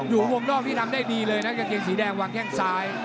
อยู่วงนอกนี่ทำได้ดีเลยนะกางเกงสีแดงวางแข้งซ้าย